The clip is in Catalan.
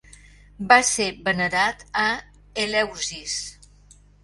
Va ser venerat a Eleusis.